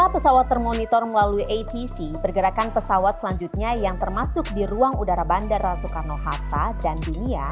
lima pesawat termonitor melalui atc pergerakan pesawat selanjutnya yang termasuk di ruang udara bandara soekarno hatta dan dunia